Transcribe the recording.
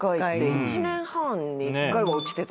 １年半に１回は落ちてた。